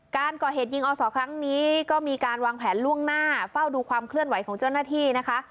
การก่อเหตุยิงอศครั้งนี้ก็มีการวางแผนล่วงหน้าเฝ้าดูความเคลื่อนไหวของเจ้าหน้าที่นะคะ